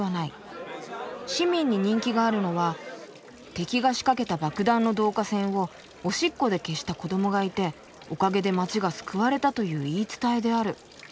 「市民に人気があるのは敵が仕掛けた爆弾の導火線をおしっこで消した子どもがいておかげで街が救われたという言い伝えである」。